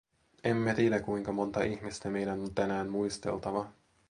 Emme tiedä, kuinka montaa ihmistä meidän on tänään muisteltava.